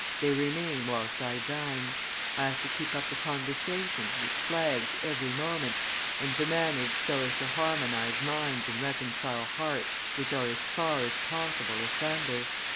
They remain whilst I dine. I have to keep up the conversation, which flags every moment, and to manage so as to harmonize minds and reconcile hearts which are as far as possible asunder.